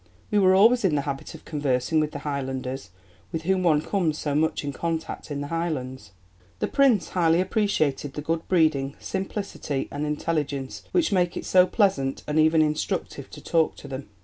"We were always in the habit of conversing with the Highlanders with whom one comes so much in contact in the Highlands. The Prince highly appreciated the good breeding, simplicity, and intelligence, which make it so pleasant, and even instructive to talk to them."